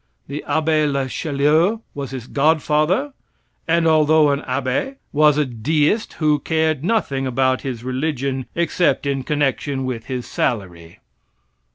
The Abbe le Chaulieu was his godfather, and, although an abbe, was a deist who cared nothing about his religion except in connection with his salary.